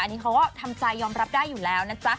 อันนี้เขาก็ทำใจยอมรับได้อยู่แล้วนะจ๊ะ